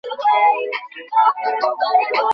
তাঁহার উৎসাহস্রোত যথাপথে প্রবাহিত হইতেছিল না।